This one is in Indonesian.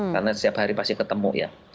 karena setiap hari pasti ketemu ya